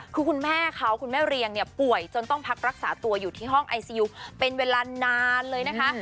คือคุณแม่เขาคุณแม่เรียงเนี่ยป่วยจนต้องพักรักษาตัวอยู่ที่ห้องไอซียูเป็นเวลานานเลยนะคะ